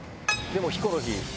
でもヒコロヒー。